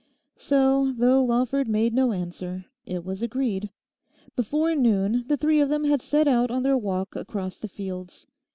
So, though Lawford made no answer, it was agreed. Before noon the three of them had set out on their walk across the fields.